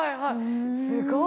すごい。